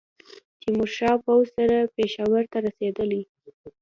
تېمورشاه پوځ سره پېښور ته رسېدلی.